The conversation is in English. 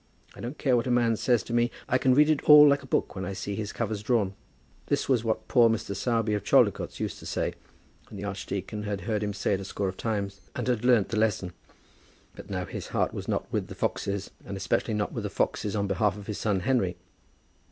I don't care what a man says to me, I can read it all like a book when I see his covers drawn." That was what poor Mr. Sowerby of Chaldicotes used to say, and the archdeacon had heard him say it a score of times, and had learned the lesson. But now his heart was not with the foxes, and especially not with the foxes on behalf of his son Henry.